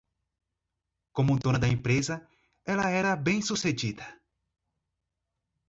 Como dona da empresa, ela era bem-sucedida